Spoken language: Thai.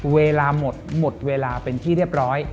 เวลาหมดหมดเวลาเป็นที่เรียบร้อย